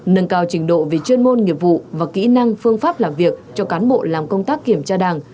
nâng cao trình độ về chuyên môn nghiệp vụ và kỹ năng phương pháp làm việc cho cán bộ làm công tác kiểm tra đảng